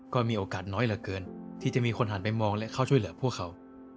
ก็มีโอกาสน้อยเหลือเกินที่จะมีคนหันไปมองและเข้าช่วยเหลือพวกเขา